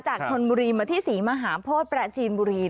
จากชนบุรีมาที่ศรีมหาโพธิปราจีนบุรี